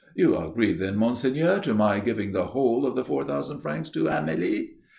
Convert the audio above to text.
You agree, then, monseigneur, to my giving the whole of the four thousand francs to Amélie?"